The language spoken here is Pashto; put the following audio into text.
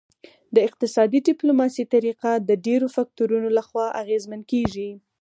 د اقتصادي ډیپلوماسي طریقه د ډیرو فکتورونو لخوا اغیزمن کیږي